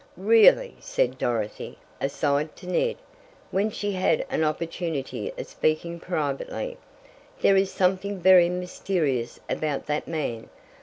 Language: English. "Really," said Dorothy, aside to Ned, when she had an opportunity of speaking privately, "there is something very mysterious about that man.